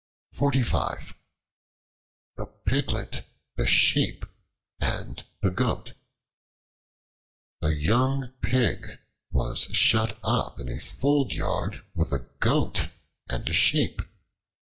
The Piglet, the Sheep, and the Goat A YOUNG PIG was shut up in a fold yard with a Goat and a Sheep.